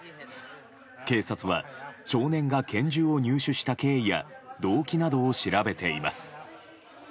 警察は少年が拳銃を入手した経緯や動機などを調べています。